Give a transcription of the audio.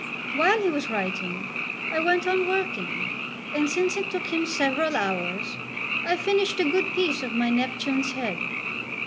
While he was writing, I went on working; and since it took him several hours, I finished a good piece of my Neptune's head.